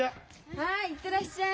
はい行ってらっしゃい！